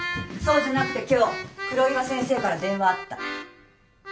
そうじゃなくて今日黒岩先生から電話あった。